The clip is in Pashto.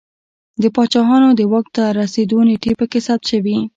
د پاچاهانو د واک ته رسېدو نېټې په کې ثبت شوې